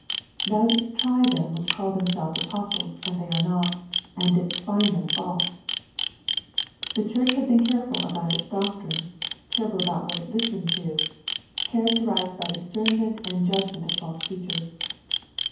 " Thou didst try them which call themselves apostles, and they are not, and didst find them false." The church had been careful about its doctrine, careful about what it listened to, 38 A First Century Message characterized by discernment and judgment of false teachers.